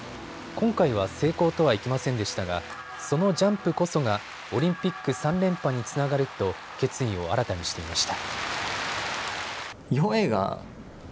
今回は成功とはいきませんでしたが、そのジャンプこそがオリンピック３連覇につながると決意を新たにしていました。